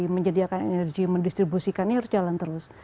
menyediakan energi mendistribusikannya harus jalan terus